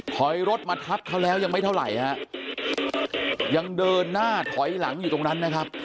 ถอยรถมาทับเขาแล้วยังไม่เท่าไหร่ฮะยังเดินหน้าถอยหลังอยู่ตรงนั้นนะครับ